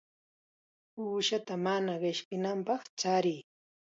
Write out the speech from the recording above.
Uushata mana qishpinanpaq chariy.